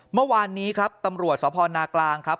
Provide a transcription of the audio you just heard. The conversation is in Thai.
เมื่อวานนี้ครับตำรวจสพนากลางครับ